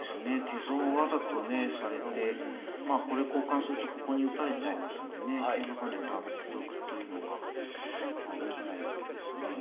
手損をわざとねされてまあこれ交換するとここに打たれちゃいますんでね桂馬跳ねた手得というのが生きないわけですね。